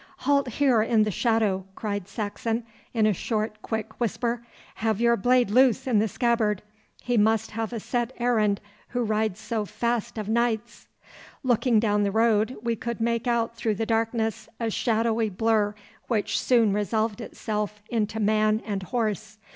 'Halt here in the shadow!' cried Saxon, in a short, quick whisper. 'Have your blade loose in the scabbard. He must have a set errand who rides so fast o' nights.' Looking down the road we could make out through the darkness a shadowy blur which soon resolved itself into man and horse.